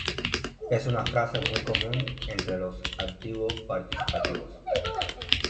Es una frase muy común entre los activo- participativos.